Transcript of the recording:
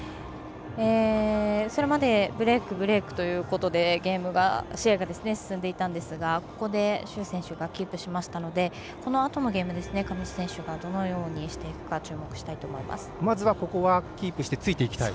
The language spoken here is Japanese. それまでブレーク、ブレークということで試合が進んでいたんですがここで朱選手がキープしましたのでこのあとのゲーム上地選手がどうしていくかまずは、ここはキープしてついていきたい。